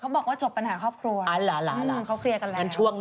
เค้าบอกว่าจบปัญหาครอบครัว